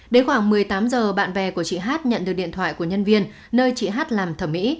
đến khoảng một mươi tám giờ bạn bè của chị hát nhận được điện thoại của nhân viên nơi chị hát làm thẩm mỹ